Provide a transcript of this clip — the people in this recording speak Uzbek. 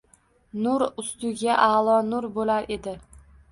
Nur ustiga aʼlo nur boʻlar edi.